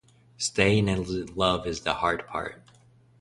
Staying in love is the hard bit.